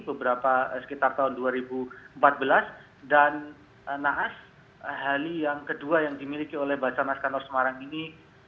beberapa sekitar tahun dua ribu empat belas dan naas heli yang kedua yang dimiliki oleh basarnas kano semarang ini